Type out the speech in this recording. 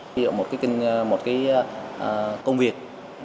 ví dụ một cái công việc